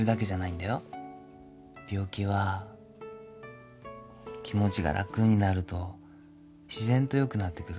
病気は気持ちが楽になると自然とよくなってくる。